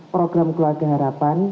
program keluarga harapan